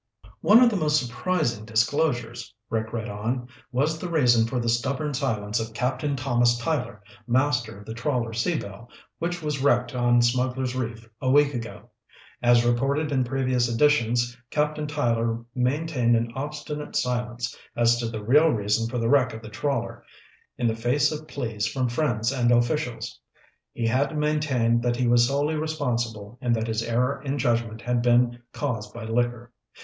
"'One of the most surprising disclosures,'" Rick read on, "'was the reason for the stubborn silence of Captain Thomas Tyler, master of the trawler Sea Belle, which was wrecked on Smugglers' Reef a week ago. As reported in previous editions, Captain Tyler maintained an obstinate silence as to the real reason for the wreck of the trawler in the face of pleas from friends and officials. He had maintained that he was solely responsible and that his error in judgment had been caused by liquor.